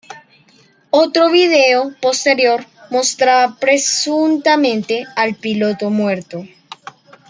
Otro vídeo posterior mostraba presuntamente al piloto muerto.